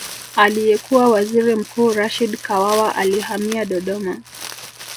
Aliyekuwa Waziri Mkuu Rashid Kawawa alihamia Dodoma